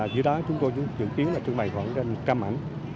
giữa đó chúng tôi dự kiến trưng bày khoảng một trăm linh ảnh